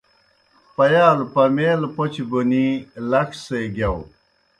پیَالوْ پمیلہ پوْچہ بونِی لڇ سے گِیاؤ۔